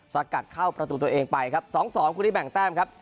สกัดเข้าประตูตัวเองไปครับสองสองคุณที่แบ่งแต้มครับ